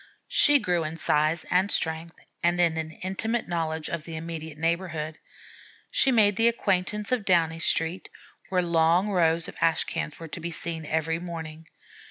She grew in size and strength and in an intimate knowledge of the immediate neighborhood. She made the acquaintance of Downey Street, where long rows of ash cans were to be seen every morning.